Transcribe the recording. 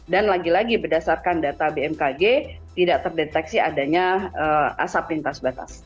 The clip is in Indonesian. dan lagi lagi berdasarkan data bmkg tidak terdeteksi adanya asap lintas batas